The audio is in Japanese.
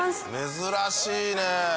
珍しいね。